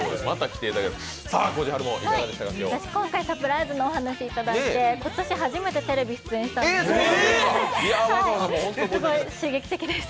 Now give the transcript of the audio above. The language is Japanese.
私今回、サプライズのお話いただいて今年初めてテレビ出演したんです。